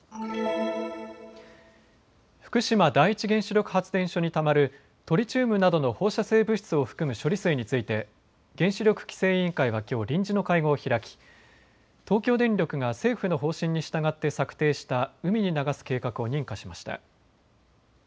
福島第一原子力発電所にたまるトリチウムなどの放射性物質を含む処理水について原子力規制委員会はきょう臨時の会合を開き、東京電力が政府の方針に従って策定した海に流す計画を認可しました。